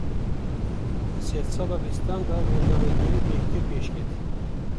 Di sedsala bîstan de, rojnamegerî bêhtir pêşket